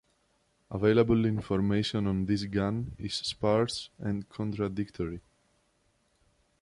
Available information on this gun is sparse and contradictory.